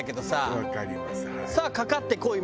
「さあかかってこい！」